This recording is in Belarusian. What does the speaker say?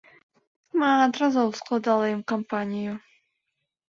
Шмат разоў складала ім кампанію.